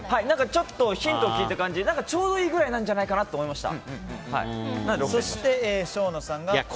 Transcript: ちょっとヒントを聞いた感じちょうどいいぐらいなんじゃないかなと思いました。